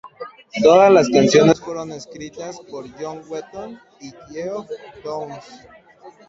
Todas las canciones fueron escritas por John Wetton y Geoff Downes